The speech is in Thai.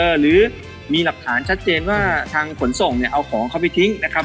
หรือมีหลักฐานชัดเจนว่าทางขนส่งเนี่ยเอาของเขาไปทิ้งนะครับ